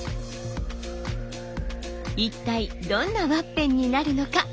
一体どんなワッペンになるのか。